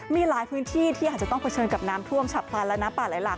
มีหลายพื้นที่ที่อาจจะต้องเผชิญกับน้ำท่วมฉับพลันและน้ำป่าไหลหลัก